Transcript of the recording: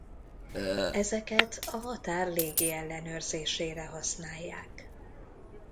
Ezeket a határ légi ellenőrzésére használják.